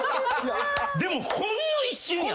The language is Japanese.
でもほんの一瞬やん。